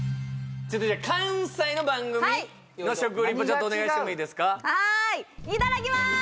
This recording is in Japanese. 続いては関西の番組の食リポちょっとお願いしてもいいですかはーいいただきまーす！